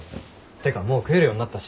てかもう食えるようになったし。